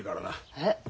えっ。